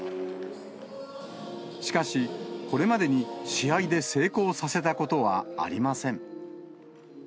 しかし、これまでに試合で成功させたことはありません。